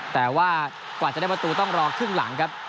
แต่ว่ากว่าจะได้ประตูต้องรอครึ่งหลังครับ